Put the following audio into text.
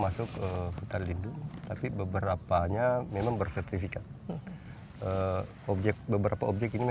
berada di kawasan hutan lindung tapi beberapanya memang bersertifikat objek beberapa objek ini